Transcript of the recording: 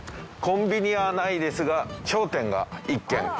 コンビニはないですが商店が１軒。